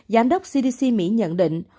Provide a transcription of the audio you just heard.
giám đốc cdc mỹ nhận định